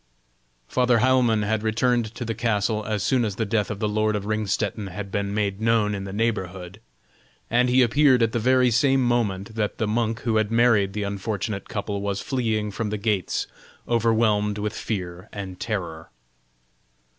Father Heilmann had returned to the castle as soon as the death of the lord of Ringstetten had been made known in the neighborhood, and he appeared at the very same moment that the monk who had married the unfortunate couple was fleeing from the gates overwhelmed with fear and terror.